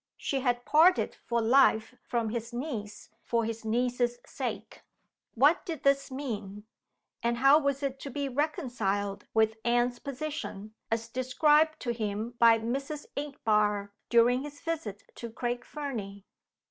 She had parted for life from his niece for his niece's sake! What did this mean? And how was it to be reconciled with Anne's position as described to him by Mrs. Inchbare during his visit to Craig Fernie?